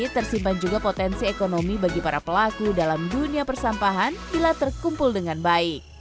tersimpan juga potensi ekonomi bagi para pelaku dalam dunia persampahan bila terkumpul dengan baik